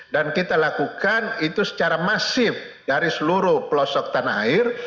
dan kita lakukan secara masif dari seluruh pelosok tanah air